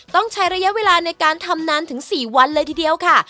ต้องใช้ระยะเวลาในการทำนานถึง๔วันเลยทีเดียวค่ะ